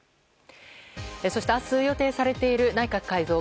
そして明日予定されている内閣改造。